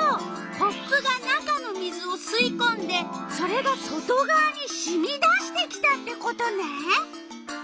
コップが中の水をすいこんでそれが外がわにしみ出してきたってことね！